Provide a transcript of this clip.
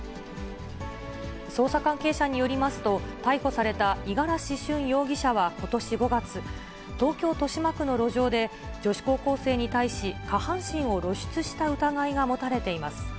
捜査関係者によりますと、逮捕された五十嵐駿容疑者はことし５月、東京・豊島区の路上で、女子高校生に対し下半身を露出した疑いが持たれています。